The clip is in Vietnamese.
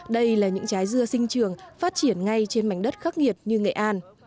đây là những trái dưa sinh trường phát triển ngay trên mảnh đất khắc nghiệt như nghệ an